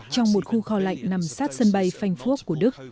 trong một khu kho lạnh nằm sát sân bay phanh phuốc của đức